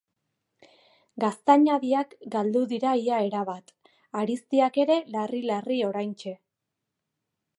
Gaztainadiak galdu dira ia erabat; hariztiak ere larri-larri oraintxe.